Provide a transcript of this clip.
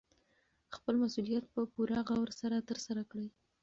خپل مسوولیت په پوره غور سره ترسره کړئ.